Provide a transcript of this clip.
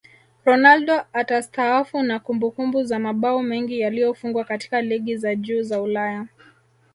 Ronaldo atastaafu na kumbukumbu za mabao mengi yaliyofungwa katika ligi za juu za Ulaya